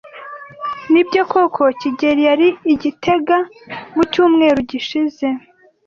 Nibyo koko kigeli yari i gitega mucyumweru gishize?